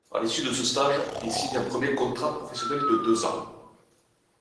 À l'issue de ce stage, il signe un premier contrat professionnel de deux ans.